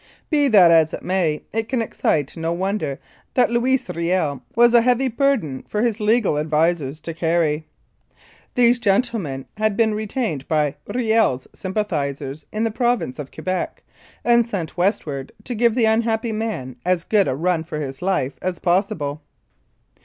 Be that as it may, it can excite no wonder that Louis Riel was a heavy burden for his legal advisers to carry. These gentlemen had been retained by Riel's sym pathisers in the Province of Quebec, and sent westward to give the unhappy man as good a run for his life as possible.